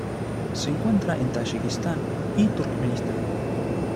Se encuentra en Tayikistán y Turkmenistán.